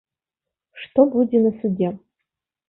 Што будзе на судзе.